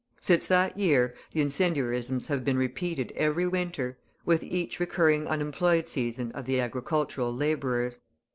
Since that year the incendiarisms have been repeated every winter, with each recurring unemployed season of the agricultural labourers.